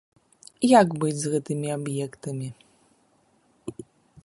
Як быць з гэтымі аб'ектамі?